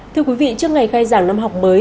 thưa quý vị trước ngày khai giảng năm học mới